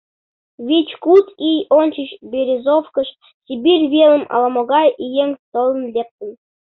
Вич-куд ий ончыч Берёзовкыш Сибирь велым ала-могай еҥ толын лектын.